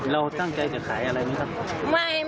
เราตั้งใจจะขายอะไรไหมครับ